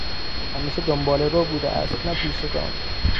او همیشه دنبالهرو بوده است نه پیشگام.